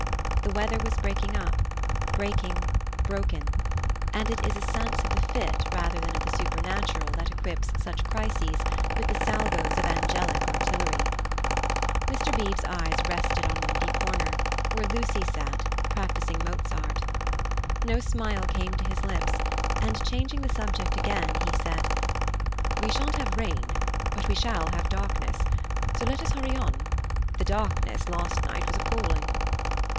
The weather was breaking up, breaking, broken, and it is a sense of the fit rather than of the supernatural that equips such crises with the salvos of angelic artillery. Mr. Beebe's eyes rested on Windy Corner, where Lucy sat, practising Mozart. No smile came to his lips, and, changing the subject again, he said: "We shan't have rain, but we shall have darkness, so let us hurry on. The darkness last night was appalling."